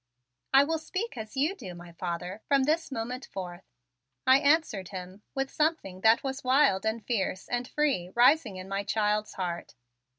"I will speak as you do, my father, from this moment forth," I answered him with something that was wild and fierce and free rising in my child's heart.